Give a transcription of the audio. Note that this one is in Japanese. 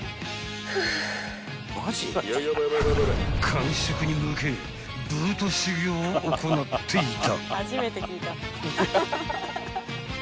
［完食に向けブート修業を行っていた］